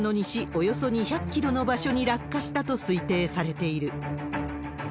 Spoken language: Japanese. およそ２００キロの場所に落下したと推定されている。